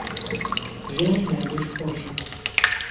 ژیانی لادێش خۆشە